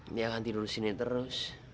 dia akan tidur sini terus